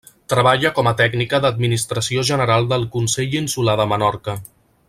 Treballa com a tècnica d'Administració General del Consell Insular de Menorca.